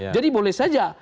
jadi boleh saja